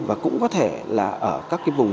và cũng có thể là ở các cái vùng